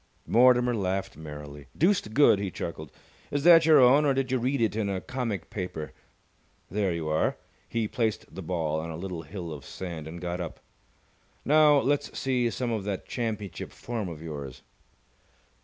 Mortimer laughed merrily. "Deuced good!" he chuckled. "Is that your own or did you read it in a comic paper? There you are!" He placed the ball on a little hill of sand, and got up. "Now let's see some of that championship form of yours!"